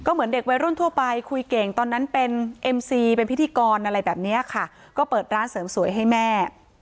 เหมือนเด็กวัยรุ่นทั่วไปคุยเก่งตอนนั้นเป็นเอ็มซีเป็นพิธีกรอะไรแบบนี้ค่ะก็เปิดร้านเสริมสวยให้แม่